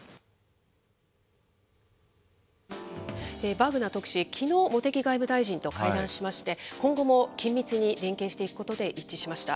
バーグナー特使、きのう、茂木外務大臣と会談しまして、今後も緊密に連携していくことで一致しました。